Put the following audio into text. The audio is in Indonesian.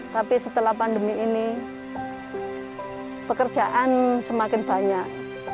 tapi setelah pandemi ini pekerjaan semakin banyak